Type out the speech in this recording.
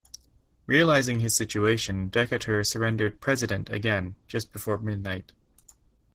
Realizing his situation, Decatur surrendered "President" again, just before midnight.